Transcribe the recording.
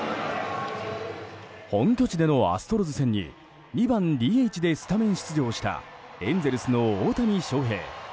本拠地でのアストロズ戦に２番ＤＨでスタメン出場したエンゼルスの大谷翔平。